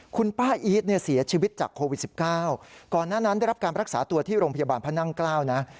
คุณป้าอีทเนี่ยเสียชีวิตจากโควิด๑๙ก่อนหน้านั้นได้รับการรักษาตัวที่โรงพยาบาลพระนั่งเกล้านะ